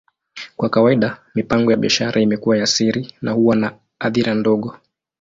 Kwa kawaida, mipango ya biashara imekuwa ya siri na huwa na hadhira ndogo.